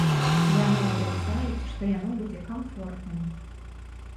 Яны абяцаюць, што яно будзе камфортным.